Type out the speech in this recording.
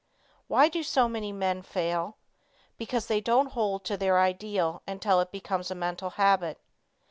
Why do so many men fail? Because they don't hold to their ideal until it becomes a mental habit.